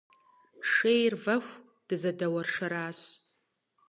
Шейр вэху, дызэдэуэршэращ.